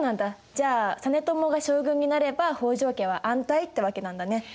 じゃあ実朝が将軍になれば北条家は安泰ってわけなんだね。